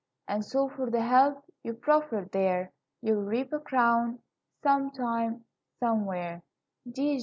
And so for the help you proffered there, You'll reap a crown, sometime, somewhere.